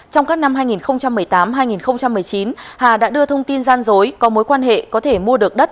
trong các năm hai nghìn một mươi tám hai nghìn một mươi chín hà đã đưa thông tin gian dối có mối quan hệ có thể mua được đất